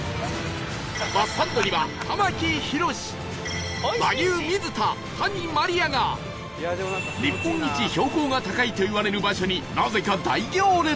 バスサンドには玉木宏和牛水田谷まりあが日本一標高が高いといわれる場所になぜか大行列